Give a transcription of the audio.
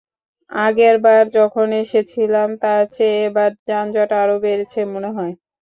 আগেরবার যখন এসেছিলাম, তার চেয়ে এবার যানজট আরও বেড়েছে মনে হয়।